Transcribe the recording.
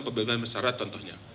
pembelian masyarakat contohnya